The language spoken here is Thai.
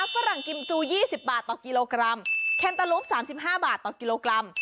ฝรั่งกิมจูยี่สิบบาทต่อกิโลกรัมแคนเตอรูปสามสิบห้าบาทต่อกิโลกรัม